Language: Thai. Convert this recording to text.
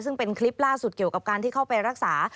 ซึ่งเป็นคลิปล่าสุดเกี่ยวกับการที่เข้าไปรักษา